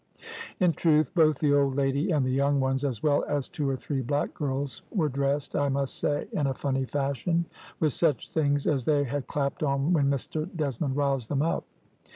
"In truth, both the old lady and the young ones, as well as two or three black girls, were dressed, I must say, in a funny fashion, with such things as they had clapped on when Mr Desmond roused them up.